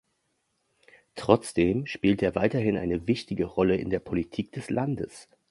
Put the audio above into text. Trotzdem spielt er weiterhin eine wichtige Rolle in der Politik des Landes.